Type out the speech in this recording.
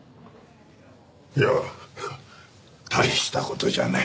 いや大した事じゃない。